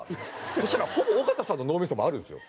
そしたらほぼ尾形さんの脳みそもあるんですよ。